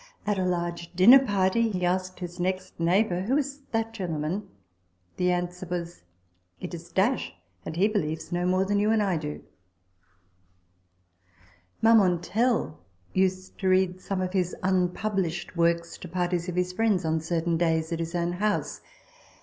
At a large dinner party he asked his next neighbour, " Who is that gentleman ?" The answer was, " It is ; and he believes no more than you and I do" Marmontel used to read some of his unpublished works to parties of his friends, on certain days, at his own house.